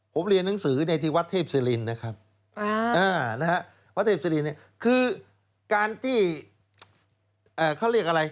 ผมเรียนหนังสือที่วัดเทพศิรินนะครับพระเทพศิรินเนี่ยคือการที่เขาเรียกอะไร